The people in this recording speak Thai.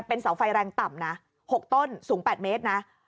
เป็นเสาไฟแรงต่ำนะ๖ต้นสูง๘เมตรนะ